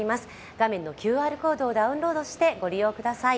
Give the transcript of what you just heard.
画面のＱＲコードからダウンロードしてご利用下さい。